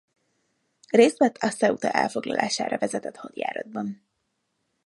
Részt vett a Ceuta elfoglalására vezetett hadjáratban.